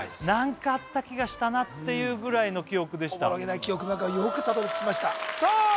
何かあった気がしたなっていうぐらいの記憶でしたおぼろげな記憶の中よくたどり着きましたさあ